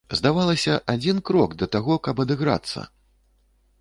Здавалася, адзін крок да таго, каб адыграцца!